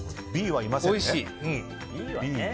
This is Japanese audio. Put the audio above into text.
Ｂはいませんね。